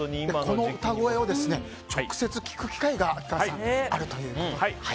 この歌声を直接聴く機会があるということで。